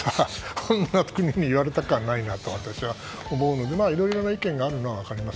あんな国に言われたくないなと私は思うのでいろいろな意見があるのは分かります。